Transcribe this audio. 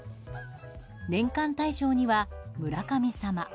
年間大賞には、村神様。